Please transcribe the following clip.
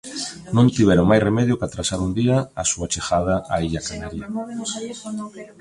Non tiveron máis remedio que atrasar un día a súa chegada á illa canaria.